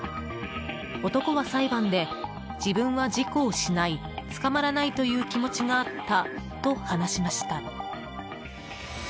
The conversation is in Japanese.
男は裁判で、自分は事故をしない捕まらないという気持ちがあったと話しました。